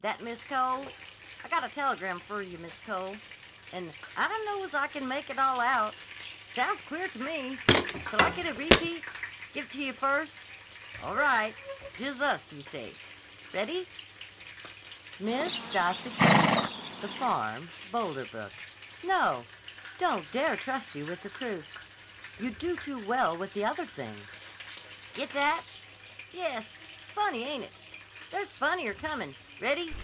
That Miss Cole?... I gotta telegram f'r you, Miss Cole, an' I d'knowz I ken make it all out. Sounds queer t' me. Shall I get a repeat?... Give it t' you first? All right. Jussuz you say. Ready?...'Miss Dassy Cole, The Farm, Boulder Brook. No. Don't dare trust you with the truth. You do too well with the other thing' Get that?... yes's funny, ain't it? There's funnier comin'. Ready?...